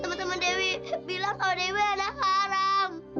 teman teman dewi bilang sama dewi anak haram